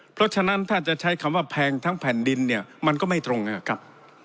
เพราะฉะนั้นถ้าจะใช้คำว่าแพงทั้งแผ่นดินเนี่ยมันก็ไม่ตรงนะครับ